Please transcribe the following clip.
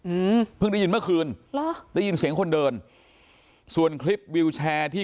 อืมเพิ่งได้ยินเมื่อคืนเหรอได้ยินเสียงคนเดินส่วนคลิปวิวแชร์ที่